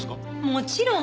もちろん！